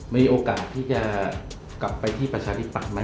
มีโอกาสที่จะกลับไปที่ประชาธิปัตย์ไหม